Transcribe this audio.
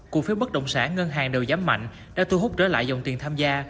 cụ phiếu bất động sản ngân hàng đầu giảm mạnh đã thu hút trở lại dòng tiền tham gia